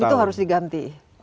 dan itu harus diganti